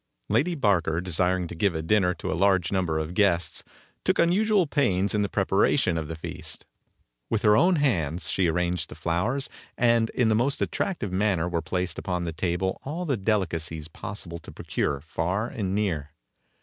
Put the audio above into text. Lady Barker, desiring to give a dinner to a large number of guests, took unusual pains in the preparation of the feast. With her own hands she arranged the flowers, and in the most attractive manner were placed upon the table all the delicacies possible to procure, far and near.